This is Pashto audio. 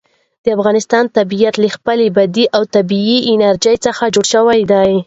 د افغانستان طبیعت له خپلې بادي او طبیعي انرژي څخه جوړ شوی دی.